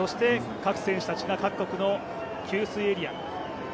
各選手たちが各国の給水エリア